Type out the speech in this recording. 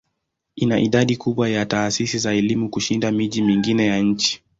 Ina idadi kubwa ya taasisi za elimu kushinda miji mingine ya nchi.